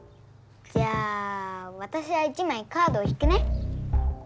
じゃあわたしは１まいカードを引くね。